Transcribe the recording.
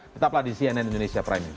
tetaplah di cnn indonesia prime news